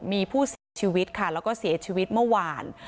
มีผู้เสียชีวิตค่ะแล้วก็เสียชีวิตเมื่อวาน